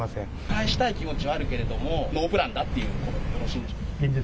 返したい気持ちはあるけれども、ノープランだということでよろしいんでしょうか。